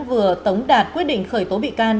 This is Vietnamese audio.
vừa tống đạt quyết định khởi tố bị can